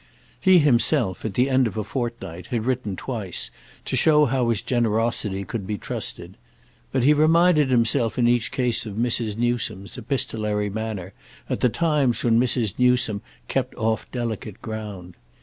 He himself, at the end of a fortnight, had written twice, to show how his generosity could be trusted; but he reminded himself in each case of Mrs. Newsome's epistolary manner at the times when Mrs. Newsome kept off delicate ground.